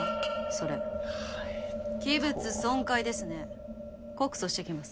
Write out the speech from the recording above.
それああえっと器物損壊ですね告訴してきます